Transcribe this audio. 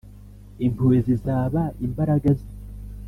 impuhwe zizaba imbaraga ze